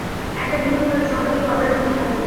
একটা নিখুঁতভাবে সম্পাদিত অপারেশনের সাফল্যে।